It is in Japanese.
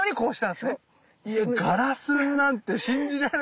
いやガラスなんて信じられない。